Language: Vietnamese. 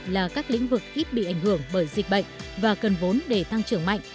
là các lĩnh vực ít bị ảnh hưởng bởi dịch bệnh và cần vốn để tăng trưởng mạnh